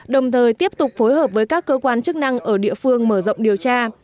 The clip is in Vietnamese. đồng thời tiếp tục phối hợp với các cơ quan chức năng ở địa phương mở rộng điều tra